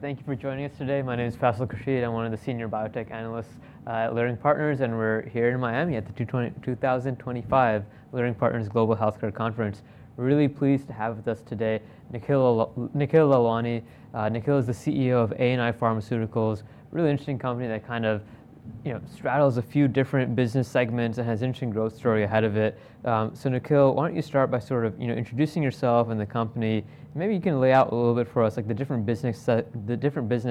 Thank you for joining us today. My name is Faisal Khurshid. I'm one of the senior biotech analysts at Leerink Partners, and we're here in Miami at the 2025 Leerink Partners Global Healthcare Conference. Really pleased to have with us today Nikhil Lalwani. Nikhil is the CEO of ANI Pharmaceuticals, a really interesting company that kind of, you know, straddles a few different business segments and has an interesting growth story ahead of it. Nikhil, why don't you start by sort of, you know, introducing yourself and the company? Maybe you can lay out a little bit for us, like, the different business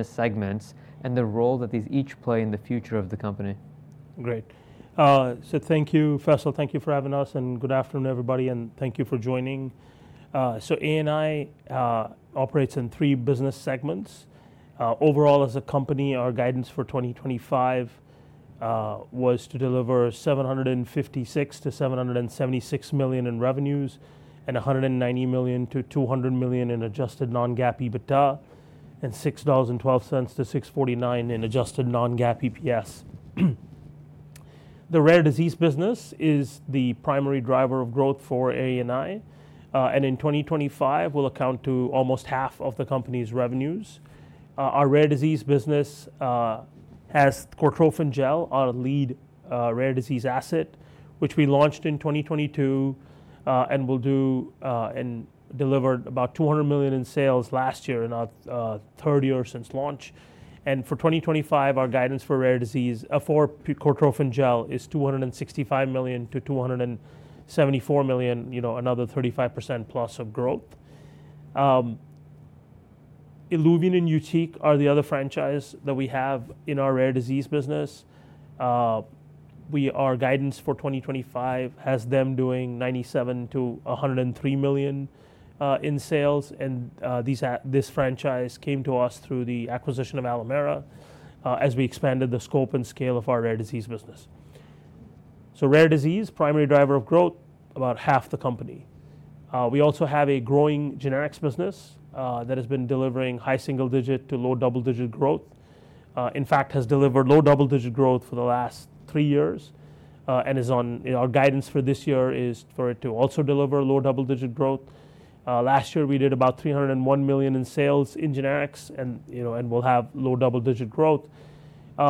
segments and the role that these each play in the future of the company. Great. Thank you, Faisal. Thank you for having us, and good afternoon, everybody, and thank you for joining. ANI operates in three business segments. Overall, as a company, our guidance for 2025 was to deliver $756 million-$776 million in revenues and $190 million-$200 million in adjusted non-GAAP EBITDA and $6.12-$6.49 in adjusted non-GAAP EPS. The rare disease business is the primary driver of growth for ANI, and in 2025, will account for almost half of the company's revenues. Our rare disease business has Purified Cortrophin Gel as our lead rare disease asset, which we launched in 2022 and delivered about $200 million in sales last year, in our third year since launch. For 2025, our guidance for Purified Cortrophin Gel is $265 million-$274 million, you know, another 35% plus of growth. ILUVIEN and YUTIQ are the other franchise that we have in our rare disease business. Our guidance for 2025 has them doing $97-$103 million in sales, and this franchise came to us through the acquisition of Alimera as we expanded the scope and scale of our rare disease business. Rare disease, primary driver of growth, about half the company. We also have a growing generics business that has been delivering high single-digit to low double-digit growth. In fact, has delivered low double-digit growth for the last three years, and our guidance for this year is for it to also deliver low double-digit growth. Last year, we did about $301 million in sales in generics, and, you know, we'll have low double-digit growth.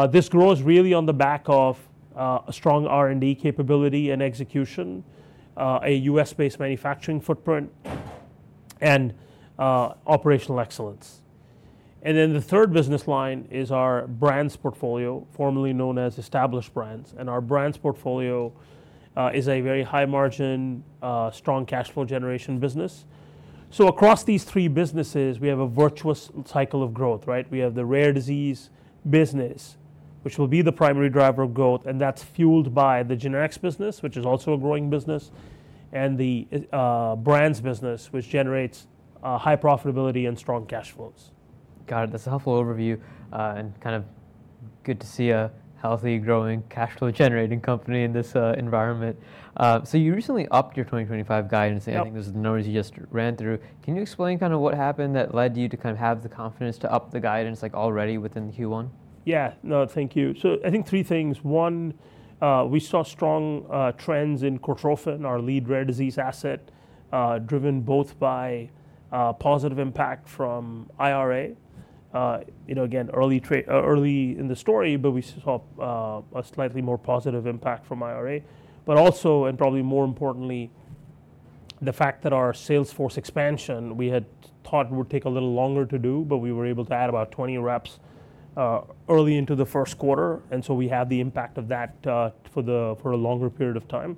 This grows really on the back of a strong R&D capability and execution, a U.S.-based manufacturing footprint, and operational excellence. The third business line is our brands portfolio, formerly known as established brands. Our brands portfolio is a very high-margin, strong cash flow generation business. Across these three businesses, we have a virtuous cycle of growth, right? We have the rare disease business, which will be the primary driver of growth, and that's fueled by the generics business, which is also a growing business, and the brands business, which generates high profitability and strong cash flows. Got it. That's a helpful overview, and kind of good to see a healthy, growing, cash flow-generating company in this environment. You recently upped your 2025 guidance, and I think those are the numbers you just ran through. Can you explain kind of what happened that led you to kind of have the confidence to up the guidance, like, already within Q1? Yeah. No, thank you. I think three things. One, we saw strong trends in Purified Cortrophin Gel, our lead rare disease asset, driven both by positive impact from IRA. You know, again, early in the story, but we saw a slightly more positive impact from IRA. Also, and probably more importantly, the fact that our sales force expansion we had thought would take a little longer to do, but we were able to add about 20 reps early into the first quarter, and we had the impact of that for a longer period of time.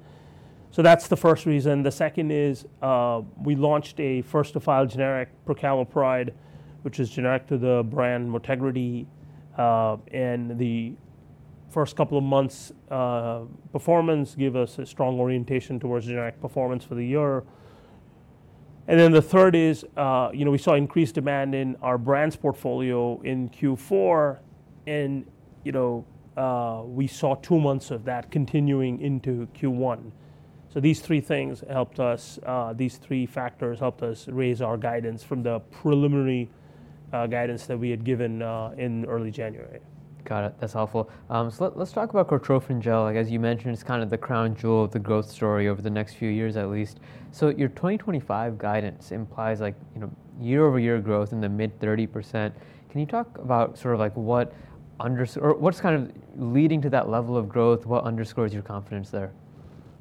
That is the first reason. The second is we launched a first-to-file generic prucalopride, which is generic to the brand Motegrity, and the first couple of months' performance gave us a strong orientation towards generic performance for the year. The third is, you know, we saw increased demand in our brands portfolio in Q4, and, you know, we saw two months of that continuing into Q1. These three things helped us, these three factors helped us raise our guidance from the preliminary guidance that we had given in early January. Got it. That's helpful. Let's talk about Purified Cortrophin Gel. Like, as you mentioned, it's kind of the crown jewel of the growth story over the next few years, at least. Your 2025 guidance implies, like, you know, year-over-year growth in the mid-30%. Can you talk about sort of, like, what kind of leading to that level of growth, what underscores your confidence there?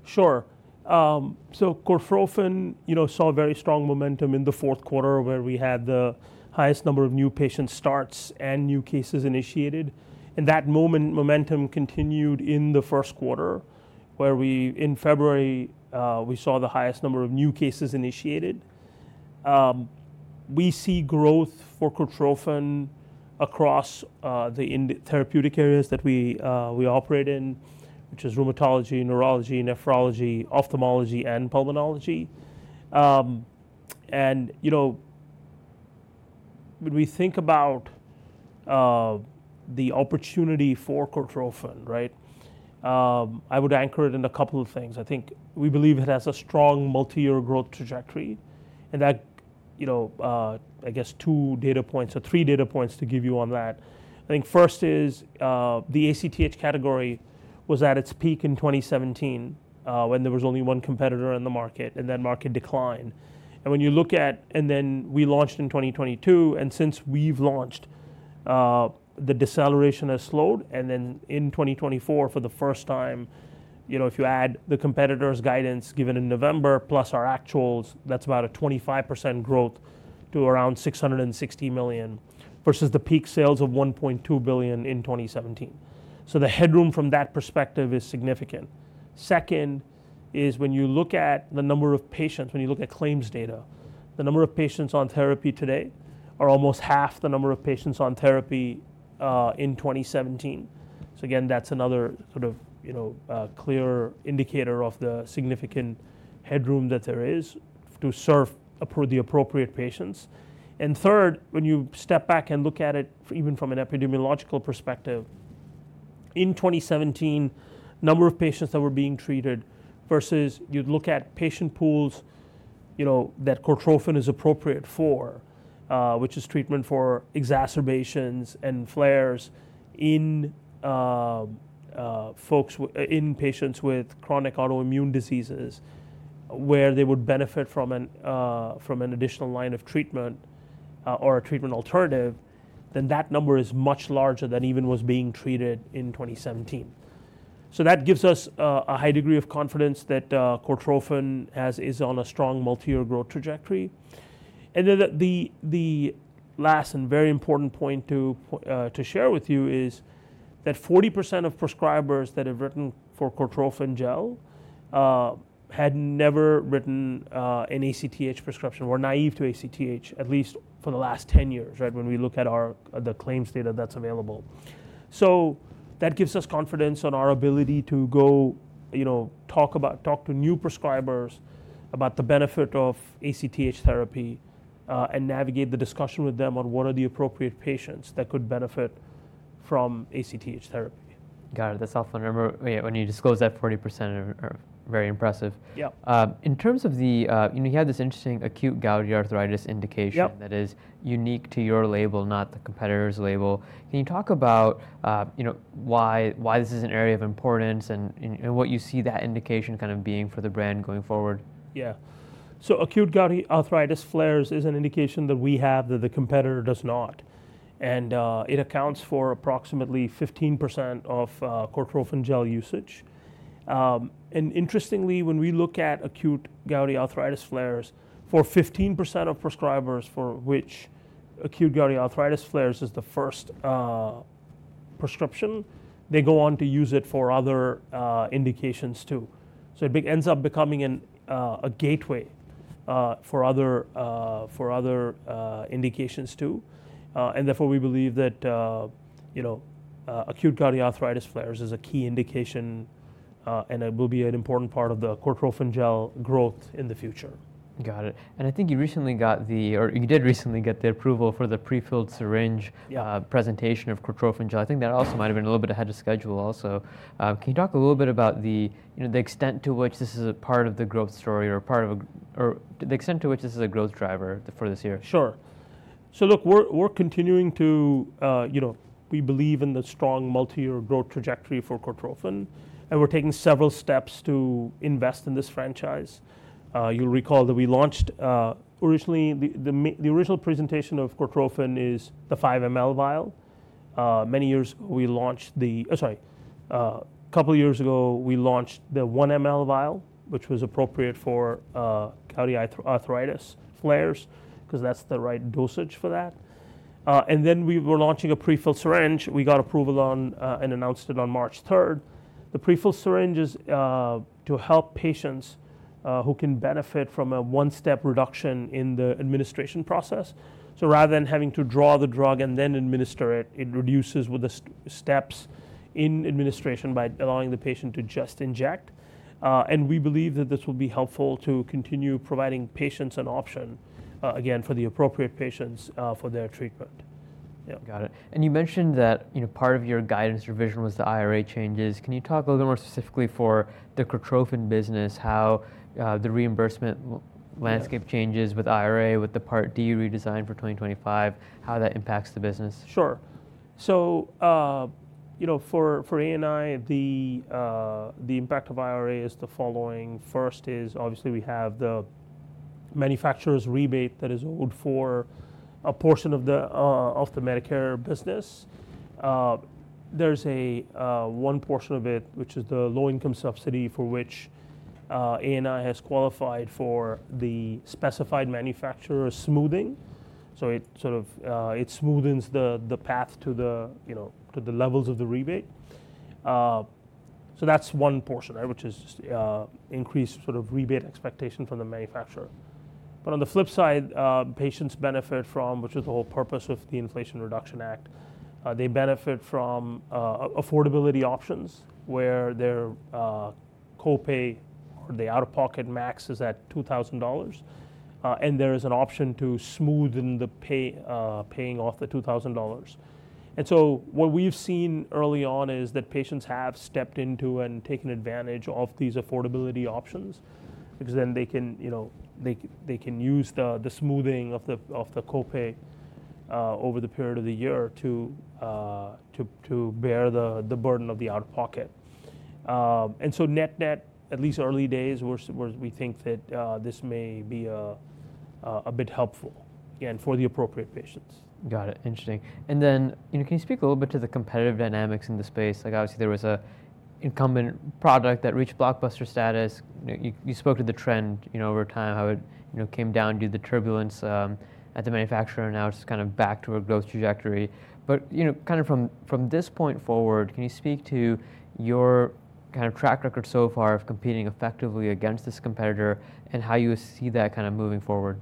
Sure. Cortrophin, you know, saw very strong momentum in the fourth quarter, where we had the highest number of new patient starts and new cases initiated. That momentum continued in the first quarter, where in February, we saw the highest number of new cases initiated. We see growth for chloroquine across the therapeutic areas that we operate in, which is rheumatology, neurology, nephrology, ophthalmology, and pulmonology. You know, when we think about the opportunity for chloroquine, right, I would anchor it in a couple of things. I think we believe it has a strong multi-year growth trajectory, and that, you know, I guess two data points or three data points to give you on that. I think first is the ACTH category was at its peak in 2017, when there was only one competitor in the market, and that market declined. When you look at, and then we launched in 2022, and since we've launched, the deceleration has slowed, and then in 2024, for the first time, you know, if you add the competitor's guidance given in November plus our actuals, that's about a 25% growth to around $660 million versus the peak sales of $1.2 billion in 2017. The headroom from that perspective is significant. Second is when you look at the number of patients, when you look at claims data, the number of patients on therapy today are almost half the number of patients on therapy in 2017. Again, that's another sort of, you know, clear indicator of the significant headroom that there is to serve the appropriate patients. Third, when you step back and look at it even from an epidemiological perspective, in 2017, the number of patients that were being treated versus you'd look at patient pools, you know, that Purified Cortrophin Gel is appropriate for, which is treatment for exacerbations and flares in patients with chronic autoimmune diseases, where they would benefit from an additional line of treatment or a treatment alternative, then that number is much larger than even was being treated in 2017. That gives us a high degree of confidence that Purified Cortrophin Gel is on a strong multi-year growth trajectory. The last and very important point to share with you is that 40% of prescribers that have written for Purified Cortrophin Gel had never written an ACTH prescription, were naive to ACTH, at least for the last 10 years, right, when we look at the claims data that's available. That gives us confidence on our ability to go, you know, talk to new prescribers about the benefit of ACTH therapy and navigate the discussion with them on what are the appropriate patients that could benefit from ACTH therapy. Got it. That's helpful. Remember, when you disclosed that 40%, very impressive. Yeah. In terms of the, you know, you have this interesting acute gouty arthritis indication that is unique to your label, not the competitor's label. Can you talk about, you know, why this is an area of importance and what you see that indication kind of being for the brand going forward? Yeah. Acute gouty arthritis flares is an indication that we have that the competitor does not, and it accounts for approximately 15% of Purified Cortrophin Gel usage. Interestingly, when we look at acute gouty arthritis flares, for 15% of prescribers for which acute gouty arthritis flares is the first prescription, they go on to use it for other indications too. It ends up becoming a gateway for other indications too. Therefore, we believe that, you know, acute gouty arthritis flares is a key indication, and it will be an important part of the Purified Cortrophin Gel growth in the future. Got it. I think you recently got the, or you did recently get the approval for the prefilled syringe presentation of Purified Cortrophin Gel. I think that also might have been a little bit ahead of schedule also. Can you talk a little bit about the, you know, the extent to which this is a part of the growth story or part of the extent to which this is a growth driver for this year? Sure. Look, we're continuing to, you know, we believe in the strong multi-year growth trajectory for Purified Cortrophin Gel, and we're taking several steps to invest in this franchise. You'll recall that we launched originally, the original presentation of Purified Cortrophin Gel is the 5 mL vial. Many years ago, we launched the, sorry, a couple of years ago, we launched the 1 mL vial, which was appropriate for gouty arthritis flares because that's the right dosage for that. We were launching a prefilled syringe. We got approval on and announced it on March 3rd. The prefilled syringe is to help patients who can benefit from a one-step reduction in the administration process. Rather than having to draw the drug and then administer it, it reduces the steps in administration by allowing the patient to just inject. We believe that this will be helpful to continue providing patients an option, again, for the appropriate patients for their treatment. Yeah. Got it. You mentioned that, you know, part of your guidance revision was the IRA changes. Can you talk a little bit more specifically for the Purified Cortrophin Gel business, how the reimbursement landscape changes with IRA, with the Part D redesign for 2025, how that impacts the business? Sure. You know, for ANI, the impact of IRA is the following. First is, obviously, we have the manufacturer's rebate that is owed for a portion of the Medicare business. There is one portion of it, which is the low-income subsidy for which ANI has qualified for the specified manufacturer smoothing. It sort of smoothens the path to the levels of the rebate. That is one portion, which is increased sort of rebate expectation from the manufacturer. On the flip side, patients benefit from, which is the whole purpose of the Inflation Reduction Act, they benefit from affordability options where their copay or the out-of-pocket max is at $2,000, and there is an option to smoothen the paying off the $2,000. What we've seen early on is that patients have stepped into and taken advantage of these affordability options because then they can, you know, they can use the smoothing of the copay over the period of the year to bear the burden of the out-of-pocket. Net-net, at least early days, we think that this may be a bit helpful, again, for the appropriate patients. Got it. Interesting. You know, can you speak a little bit to the competitive dynamics in the space? Like, obviously, there was an incumbent product that reached blockbuster status. You spoke to the trend, you know, over time, how it, you know, came down due to the turbulence at the manufacturer, and now it's kind of back to a growth trajectory. You know, kind of from this point forward, can you speak to your kind of track record so far of competing effectively against this competitor and how you see that kind of moving forward?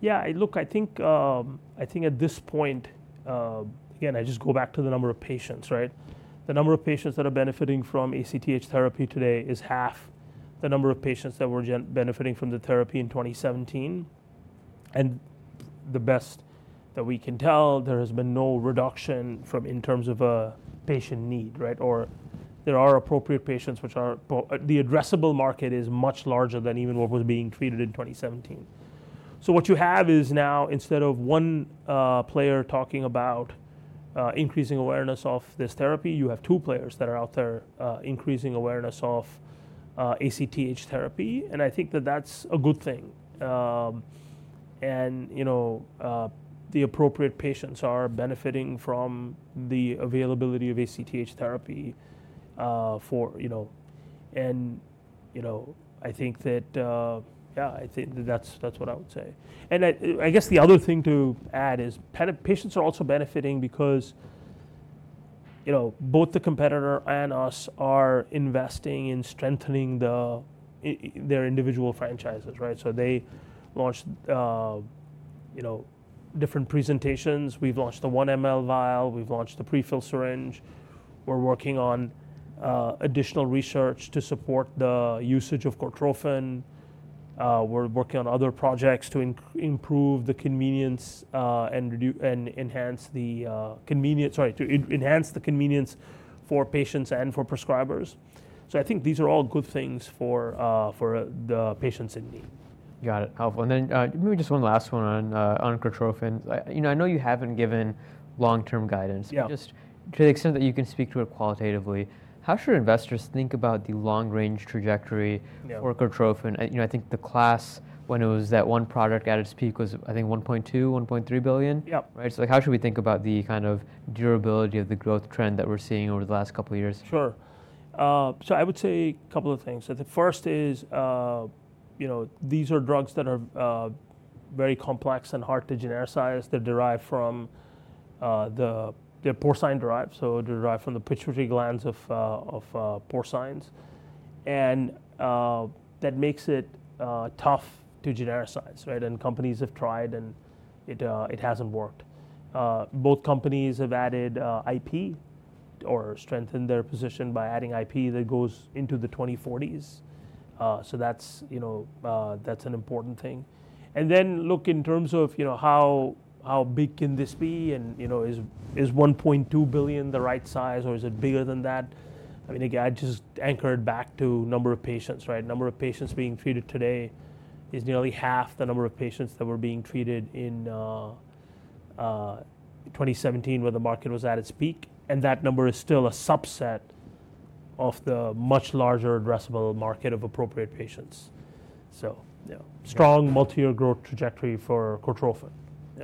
Yeah. Look, I think at this point, again, I just go back to the number of patients, right? The number of patients that are benefiting from ACTH therapy today is half the number of patients that were benefiting from the therapy in 2017. The best that we can tell, there has been no reduction in terms of a patient need, right? Or there are appropriate patients which are the addressable market is much larger than even what was being treated in 2017. What you have is now, instead of one player talking about increasing awareness of this therapy, you have two players that are out there increasing awareness of ACTH therapy, and I think that that's a good thing. You know, the appropriate patients are benefiting from the availability of ACTH therapy for, you know. You know, I think that, yeah, I think that that's what I would say. I guess the other thing to add is patients are also benefiting because, you know, both the competitor and us are investing in strengthening their individual franchises, right? They launched, you know, different presentations. We've launched the 1 mL vial. We've launched the prefilled syringe. We're working on additional research to support the usage of chloroquine. We're working on other projects to improve the convenience and enhance the convenience, sorry, to enhance the convenience for patients and for prescribers. I think these are all good things for the patients in need. Got it. Helpful. Maybe just one last one on chloroquine. You know, I know you haven't given long-term guidance, but just to the extent that you can speak to it qualitatively, how should investors think about the long-range trajectory for chloroquine? You know, I think the class when it was that one product at its peak was, I think, $1.2 billion, $1.3 billion, right? Like, how should we think about the kind of durability of the growth trend that we're seeing over the last couple of years? Sure. I would say a couple of things. The first is, you know, these are drugs that are very complex and hard to genericize. They're derived from the porcine derive, so they're derived from the pituitary glands of porcines, and that makes it tough to genericize, right? Companies have tried, and it hasn't worked. Both companies have added IP or strengthened their position by adding IP that goes into the 2040s. That's an important thing. In terms of, you know, how big can this be? Is $1.2 billion the right size, or is it bigger than that? I mean, again, I just anchor it back to number of patients, right? Number of patients being treated today is nearly half the number of patients that were being treated in 2017 when the market was at its peak, and that number is still a subset of the much larger addressable market of appropriate patients. You know, strong multi-year growth trajectory for chloroquine.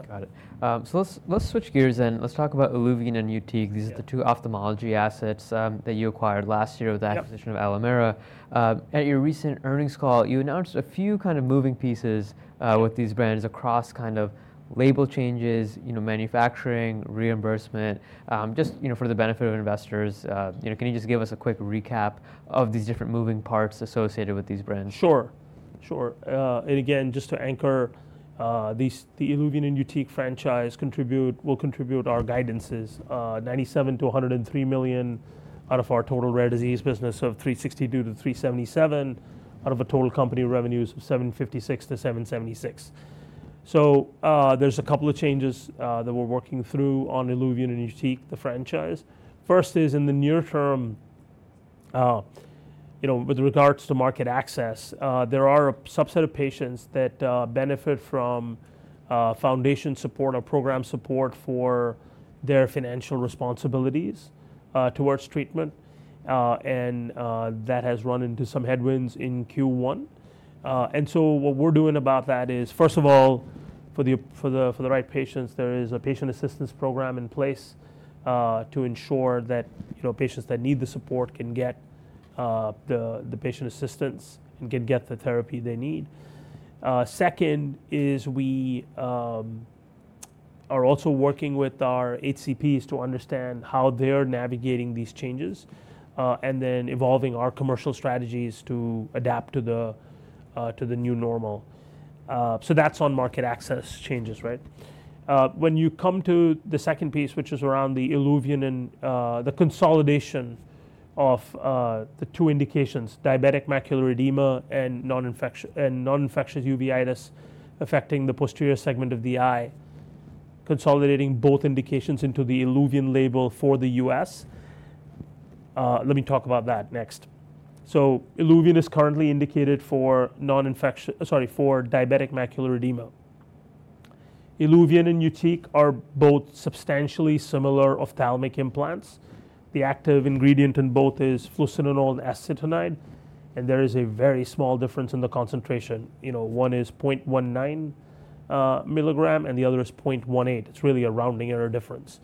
Got it. Let's switch gears and let's talk about ILUVIEN and YUTIQ. These are the two ophthalmology assets that you acquired last year with the acquisition of Alimera. At your recent earnings call, you announced a few kind of moving pieces with these brands across kind of label changes, you know, manufacturing, reimbursement, just, you know, for the benefit of investors. You know, can you just give us a quick recap of these different moving parts associated with these brands? Sure. Sure. And again, just to anchor, the ILUVIEN and YUTIQ franchise will contribute our guidances, $97-$103 million out of our total rare disease business of $362-$377 out of a total company revenues of $756-$776. There are a couple of changes that we're working through on ILUVIEN and YUTIQ, the franchise. First is in the near term, you know, with regards to market access, there are a subset of patients that benefit from foundation support or program support for their financial responsibilities towards treatment, and that has run into some headwinds in Q1. What we're doing about that is, first of all, for the right patients, there is a patient assistance program in place to ensure that, you know, patients that need the support can get the patient assistance and can get the therapy they need. Second is we are also working with our HCPs to understand how they're navigating these changes and then evolving our commercial strategies to adapt to the new normal. That is on market access changes, right? When you come to the second piece, which is around the ILUVIEN and the consolidation of the two indications, diabetic macular edema and non-infectious uveitis affecting the posterior segment of the eye, consolidating both indications into the ILUVIEN label for the US, let me talk about that next. ILUVIEN is currently indicated for non-infectious, sorry, for diabetic macular edema. ILUVIEN and YUTIQ are both substantially similar ophthalmic implants. The active ingredient in both is fluocinolone acetonide, and there is a very small difference in the concentration. You know, one is 0.19 milligram and the other is 0.18. It's really a rounding error difference.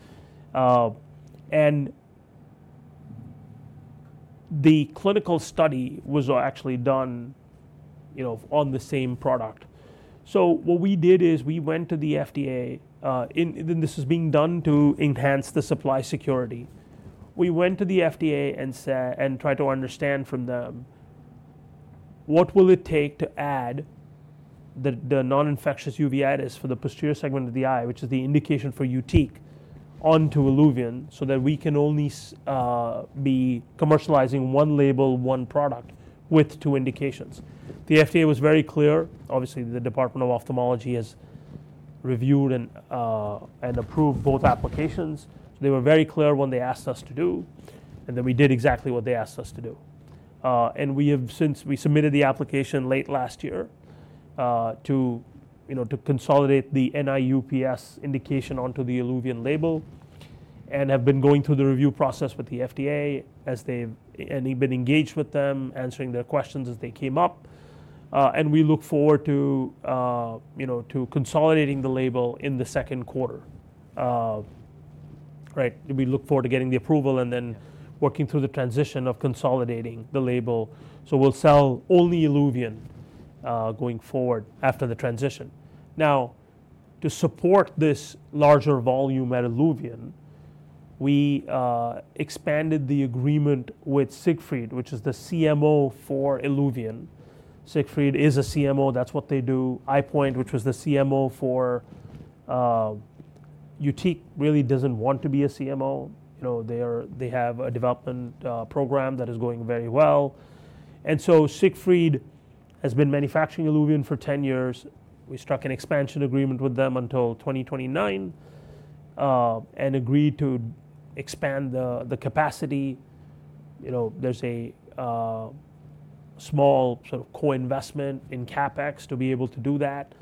The clinical study was actually done, you know, on the same product. What we did is we went to the FDA, and this is being done to enhance the supply security. We went to the FDA and tried to understand from them what will it take to add the non-infectious uveitis affecting the posterior segment of the eye, which is the indication for YUTIQ, onto ILUVIEN so that we can only be commercializing one label, one product with two indications. The FDA was very clear. Obviously, the Department of Ophthalmology has reviewed and approved both applications. They were very clear when they asked us to do, and then we did exactly what they asked us to do. We have since, we submitted the application late last year to, you know, to consolidate the NIU-PS indication onto the ILUVIEN label and have been going through the review process with the FDA as they've been engaged with them, answering their questions as they came up. We look forward to, you know, to consolidating the label in the second quarter, right? We look forward to getting the approval and then working through the transition of consolidating the label. We'll sell only ILUVIEN going forward after the transition. Now, to support this larger volume at ILUVIEN, we expanded the agreement with Siegfried, which is the CMO for ILUVIEN. Siegfried is a CMO. That's what they do. EyePoint, which was the CMO for YUTIQ, really doesn't want to be a CMO. You know, they have a development program that is going very well. Siegfried has been manufacturing ILUVIEN for 10 years. We struck an expansion agreement with them until 2029 and agreed to expand the capacity. You know, there's a small sort of co-investment in CapEx to be able to do that.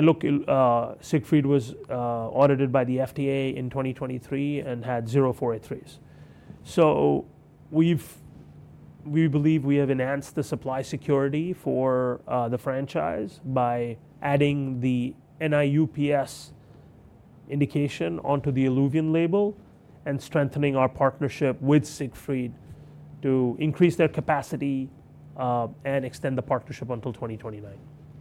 Look, Siegfried was audited by the FDA in 2023 and had zero 483s. We believe we have enhanced the supply security for the franchise by adding the NI-UPS indication onto the ILUVIEN label and strengthening our partnership with Siegfried to increase their capacity and extend the partnership until 2029.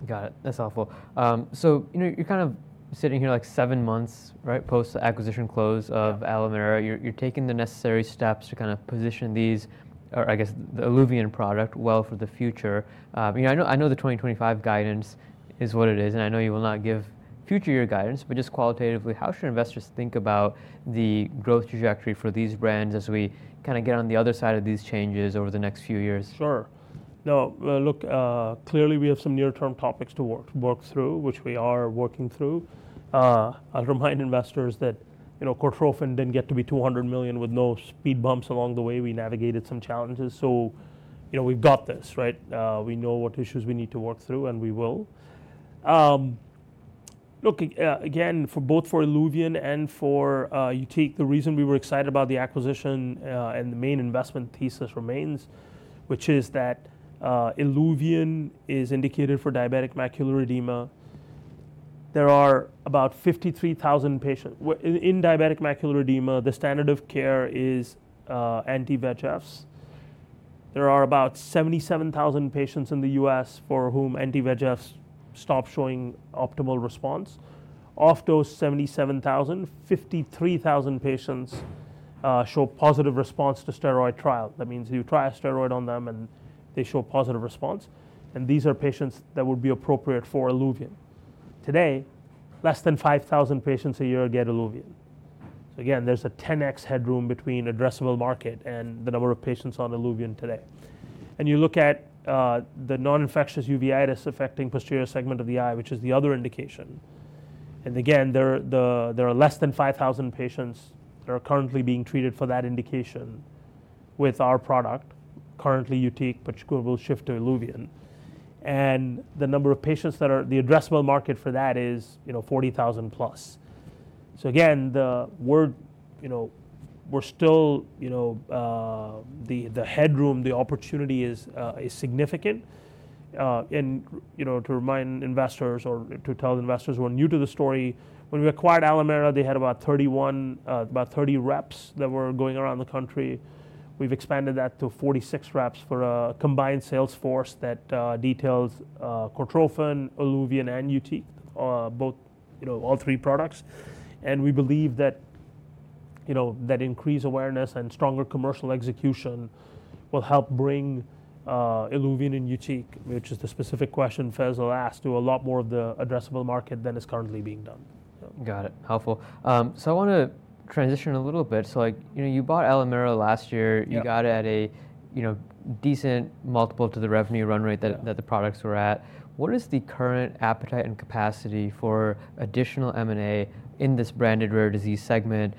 Got it. That's helpful. You know, you're kind of sitting here like seven months, right, post-acquisition close of Alimera. You're taking the necessary steps to kind of position these, or I guess the ILUVIEN product well for the future. You know, I know the 2025 guidance is what it is, and I know you will not give future year guidance, but just qualitatively, how should investors think about the growth trajectory for these brands as we kind of get on the other side of these changes over the next few years? Sure. No, look, clearly we have some near-term topics to work through, which we are working through. I'll remind investors that, you know, Purified Cortrophin Gel didn't get to be $200 million with no speed bumps along the way. We navigated some challenges. So, you know, we've got this, right? We know what issues we need to work through, and we will. Look, again, both for ILUVIEN and for YUTIQ, the reason we were excited about the acquisition and the main investment thesis remains, which is that ILUVIEN is indicated for diabetic macular edema. There are about 53,000 patients in diabetic macular edema. The standard of care is anti-VEGFs. There are about 77,000 patients in the US for whom anti-VEGFs stop showing optimal response. Of those 77,000, 53,000 patients show positive response to steroid trial. That means you try a steroid on them and they show positive response. These are patients that would be appropriate for ILUVIEN. Today, less than 5,000 patients a year get ILUVIEN. Again, there's a 10x headroom between addressable market and the number of patients on ILUVIEN today. You look at the non-infectious uveitis affecting posterior segment of the eye, which is the other indication. Again, there are less than 5,000 patients that are currently being treated for that indication with our product, currently YUTIQ, but we'll shift to ILUVIEN. The number of patients that are the addressable market for that is, you know, 40,000 plus. The word, you know, we're still, you know, the headroom, the opportunity is significant. You know, to remind investors or to tell investors who are new to the story, when we acquired Alimera, they had about 31, about 30 reps that were going around the country. We've expanded that to 46 reps for a combined sales force that details Purified Cortrophin Gel, ILUVIEN, and YUTIQ, both, you know, all three products. And we believe that, you know, that increased awareness and stronger commercial execution will help bring ILUVIEN and YUTIQ, which is the specific question Faisal will ask, to a lot more of the addressable market than is currently being done. Got it. Helpful. I want to transition a little bit. Like, you know, you bought Alimera last year. You got it at a, you know, decent multiple to the revenue run rate that the products were at. What is the current appetite and capacity for additional M&A in this branded rare disease segment?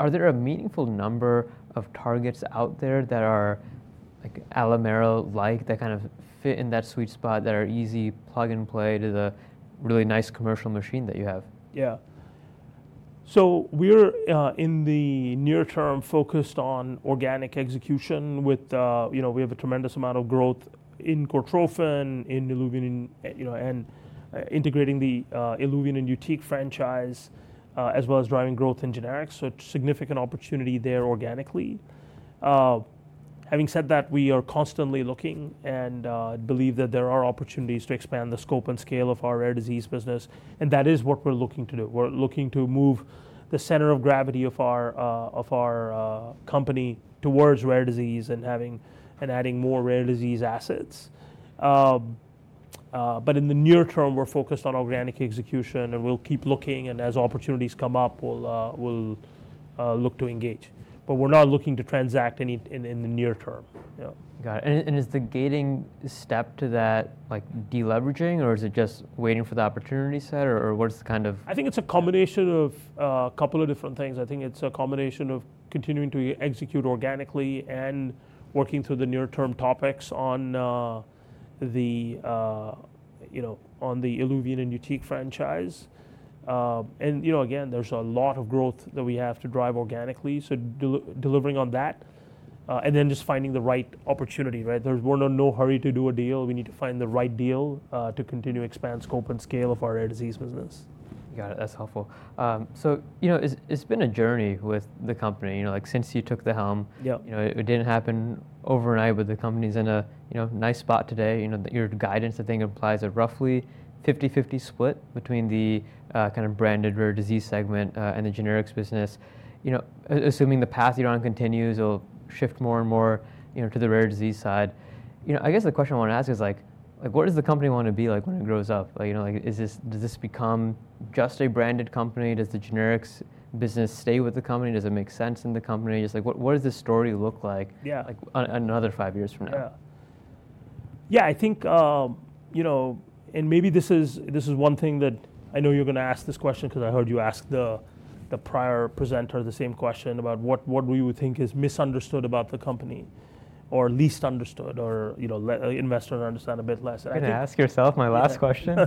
Are there a meaningful number of targets out there that are like Alimera-like, that kind of fit in that sweet spot, that are easy plug and play to the really nice commercial machine that you have? Yeah. We're in the near term focused on organic execution with, you know, we have a tremendous amount of growth in Purified Cortrophin Gel, in ILUVIEN, you know, and integrating the ILUVIEN and YUTIQ franchise as well as driving growth in generic. Significant opportunity there organically. Having said that, we are constantly looking and believe that there are opportunities to expand the scope and scale of our rare disease business, and that is what we're looking to do. We're looking to move the center of gravity of our company towards rare disease and having and adding more rare disease assets. In the near term, we're focused on organic execution, and we'll keep looking, and as opportunities come up, we'll look to engage. We're not looking to transact any in the near term. Got it. Is the gating step to that like deleveraging, or is it just waiting for the opportunity set, or what's the kind of? I think it's a combination of a couple of different things. I think it's a combination of continuing to execute organically and working through the near-term topics on the, you know, on the ILUVIEN and YUTIQ franchise. You know, again, there's a lot of growth that we have to drive organically. Delivering on that and then just finding the right opportunity, right? There's no hurry to do a deal. We need to find the right deal to continue to expand scope and scale of our rare disease business. Got it. That's helpful. You know, it's been a journey with the company, you know, like since you took the helm. You know, it didn't happen overnight, but the company's in a, you know, nice spot today. You know, your guidance, I think, implies a roughly 50-50 split between the kind of branded rare disease segment and the generics business. You know, assuming the path you're on continues will shift more and more, you know, to the rare disease side. You know, I guess the question I want to ask is like, what does the company want to be like when it grows up? You know, like, does this become just a branded company? Does the generics business stay with the company? Does it make sense in the company? Just like, what does this story look like? Yeah, like another five years from now? Yeah. Yeah, I think, you know, and maybe this is one thing that I know you're going to ask this question because I heard you ask the prior presenter the same question about what do you think is misunderstood about the company or least understood or, you know, investors understand a bit less. Can I ask you my last question?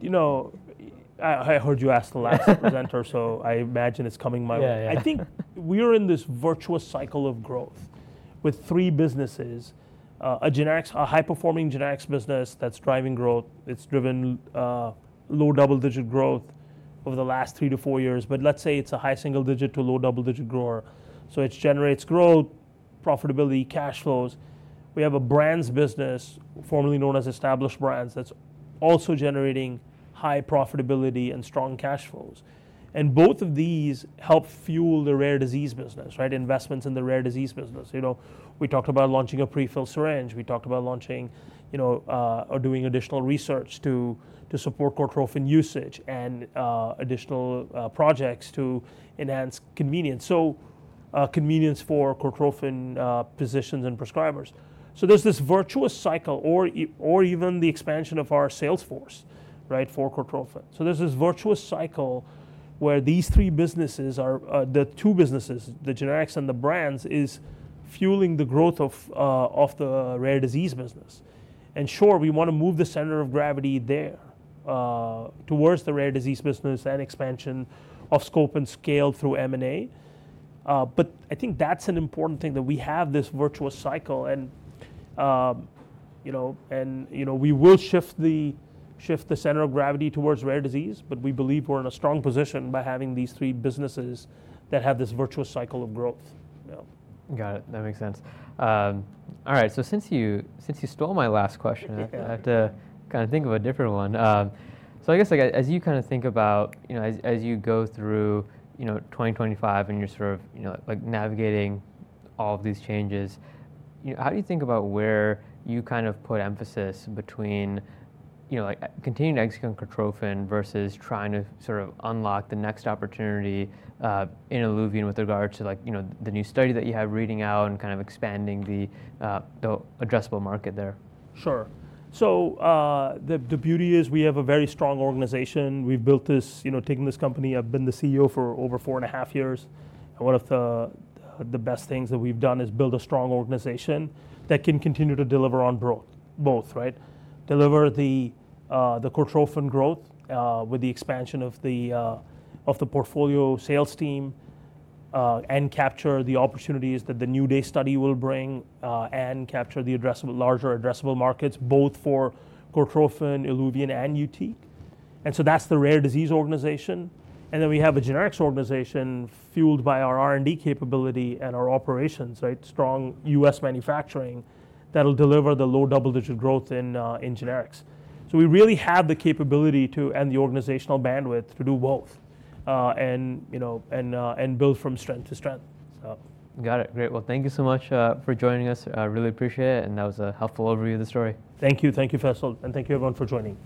You know, I heard you ask the last presenter, so I imagine it's coming my way. I think we're in this virtuous cycle of growth with three businesses: a high-performing generics business that's driving growth. It's driven low double-digit growth over the last three to four years, but let's say it's a high single-digit to low double-digit grower. It generates growth, profitability, cash flows. We have a brands business, formerly known as established brands, that's also generating high profitability and strong cash flows. Both of these help fuel the rare disease business, right? Investments in the rare disease business. You know, we talked about launching a prefilled syringe. We talked about launching, you know, or doing additional research to support Purified Cortrophin Gel usage and additional projects to enhance convenience. Convenience for Purified Cortrophin Gel physicians and prescribers. There's this virtuous cycle or even the expansion of our sales force, right, for chloroquine. There's this virtuous cycle where these three businesses are, the two businesses, the generics and the brands, is fueling the growth of the rare disease business. Sure, we want to move the center of gravity there towards the rare disease business and expansion of scope and scale through M&A. I think that's an important thing that we have this virtuous cycle and, you know, and, you know, we will shift the center of gravity towards rare disease, but we believe we're in a strong position by having these three businesses that have this virtuous cycle of growth. Got it. That makes sense. All right. Since you stole my last question, I have to kind of think of a different one. I guess as you kind of think about, you know, as you go through, you know, 2025 and you're sort of, you know, like navigating all of these changes, you know, how do you think about where you kind of put emphasis between, you know, like continuing to execute on Purified Cortrophin Gel versus trying to sort of unlock the next opportunity in ILUVIEN with regards to like, you know, the new study that you have reading out and kind of expanding the addressable market there? Sure. The beauty is we have a very strong organization. We've built this, you know, taken this company. I've been the CEO for over four and a half years. One of the best things that we've done is build a strong organization that can continue to deliver on both, right? Deliver the Purified Cortrophin Gel growth with the expansion of the portfolio sales team and capture the opportunities that the NEW DAY study will bring and capture the larger addressable markets both for Purified Cortrophin Gel, ILUVIEN, and YUTIQ. That is the rare disease organization. We have a generics organization fueled by our R&D capability and our operations, right? Strong US manufacturing that'll deliver the low double-digit growth in generics. We really have the capability to, and the organizational bandwidth to do both and, you know, build from strength to strength. Got it. Great. Thank you so much for joining us. I really appreciate it. That was a helpful overview of the story. Thank you. Thank you, Faisal. And thank you everyone for joining.